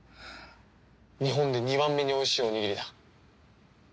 日本で２番目においしいおにぎりだ。